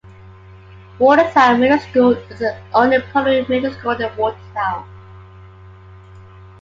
Watertown Middle School is the only public middle school in Watertown.